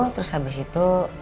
terus habis itu